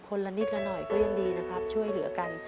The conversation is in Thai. คนละนิดละหน่อยก็ยังดีนะครับช่วยเหลือกัน